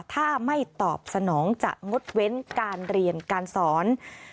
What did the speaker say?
ถ้าไม่ตอบสนองจะงดเว้นการเรียนการสอน